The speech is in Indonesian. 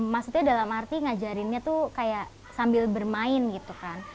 maksudnya dalam arti ngajarinnya tuh kayak sambil bermain gitu kan